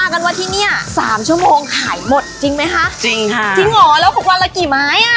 ก็เต็มที่คือ๑๐๐๐๒๐๐๐ไม้ค่ะ